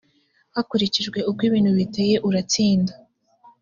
hakurikijwe uko ibintu biteye uratsinda